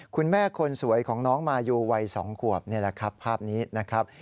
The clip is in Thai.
คุณแม่คนสวยของน้องมายูวัย๒ขวบนี่แหละครับภาพนี้นะครับ